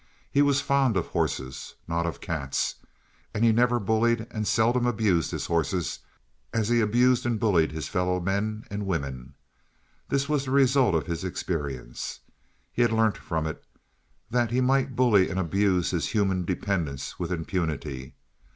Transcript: He was fond of horses, not of cats, and he never bullied and seldom abused his horses as he abused and bullied his fellow men and women. This was the result of his experience. He had learnt from it that he might bully and abuse his human dependents with impunity.